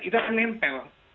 itu akan nempel